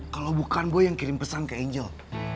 kalau bukan gue yang kirim pesan ke angel